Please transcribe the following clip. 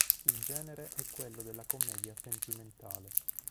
Il genere è quello della commedia sentimentale.